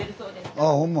ああほんま。